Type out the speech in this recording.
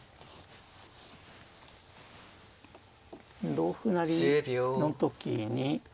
同歩成の時に。